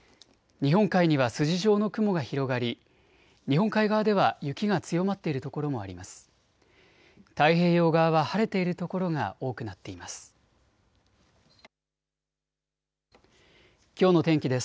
日本海には筋状の雲が広がり、日本海側では雪が強まっている所もあります。